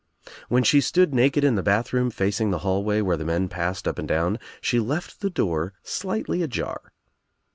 When she stood naked in the bathroom facing the hallway where the men passed up and down she left the door slightly ajar.